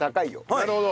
なるほど。